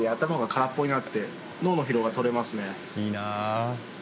いいな。